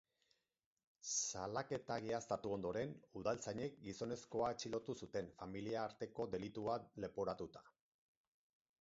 Salaketa egiaztatu ondoren, udaltzainek gizonezkoa atxilotu zuten, familia arteko delitua leporatuta.